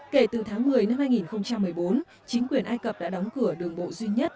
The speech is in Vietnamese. kể từ tháng một mươi năm hai nghìn một mươi bốn chính quyền ai cập đã đóng cửa đường bộ duy nhất